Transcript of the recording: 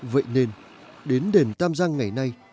vậy nên đến đền tam giang ngày nay